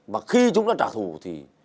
và khi chúng ta trả thù thì